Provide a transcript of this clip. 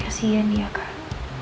kasihan dia kak